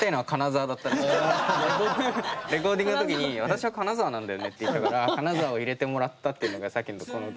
レコーディングの時に「私は金沢なんだよね」って言ったから金沢を入れてもらったっていうのがさっきのこの。